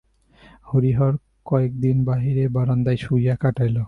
হরিহর কয়েকদিন বাহিরের বারান্দায় শুইয়া কটাইল।